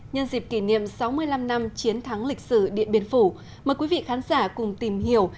nhân dịp kỷ niệm sáu mươi năm năm chiến thắng lịch sử điện biên phủ mời quý vị khán giả cùng tìm hiểu